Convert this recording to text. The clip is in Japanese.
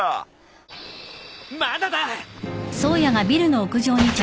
まだだ！